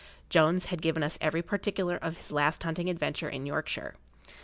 Jones had given us every particular of his last hunting adventure in Yorkshire.